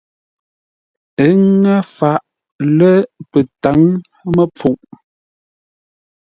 Ə́ ŋə́ faʼ lə̂ pətǎŋ-məpfuʼ.